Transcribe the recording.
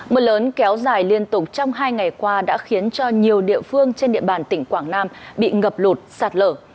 mưa lớn kéo dài liên tục trong hai ngày qua đã khiến cho nhiều địa phương trên địa bàn tỉnh quảng nam bị ngập lụt sạt lở